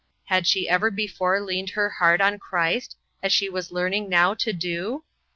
Had she ever before leaned her heart on Christ as she was learning now to do?